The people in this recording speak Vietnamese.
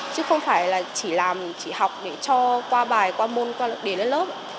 chứ không phải là chỉ làm chỉ học để cho qua bài qua môn qua lực đề lên lớp